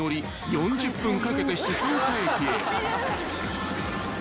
４０分かけて静岡駅へ］